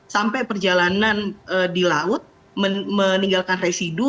sampai perjalanan di laut meninggalkan residu